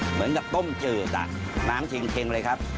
เหมือนกับต้มจืดน้ำเช็งเลยครับ